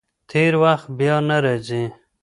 تېر وخت بیا نه راځي.